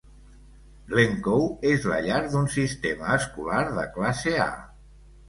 Glencoe és la llar d'un sistema escolar de classe A.